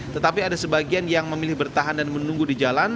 tetapi ada sebagian yang memilih bertahan dan menunggu di jalan